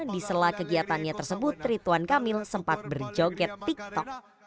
di sela kegiatannya tersebut rituan kamil sempat berjoget tiktok